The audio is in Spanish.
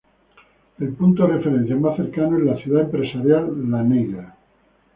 El punto de referencia más cercano es la Ciudad Empresarial La Negra.